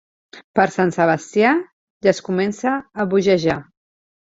Per Sant Sebastià ja es comença a bogejar.